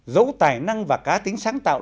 dẫu tài năng và cá tính sáng tạo